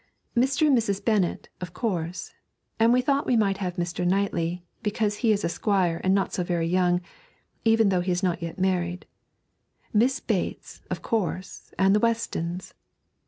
'Mr. and Mrs. Bennett, of course, and we thought we might have Mr. Knightley, because he is a squire and not so very young, even though he is not yet married. Miss Bates, of course, and the Westons.